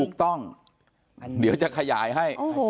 ถูกต้องเดี๋ยวจะขยายให้